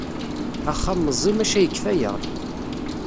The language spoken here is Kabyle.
Axxam meẓẓi maca yekfa-yaɣ-d.